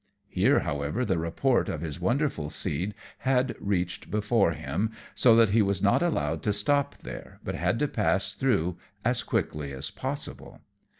Here, however, the report of his wonderful seed had reached before him, so that he was not allowed to stop there, but had to pass through as quickly as possible.